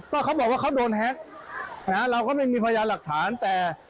ก็เขาบอกว่าเขาโดนแฮ็กเราก็ไม่มีพยานหลักฐานแต่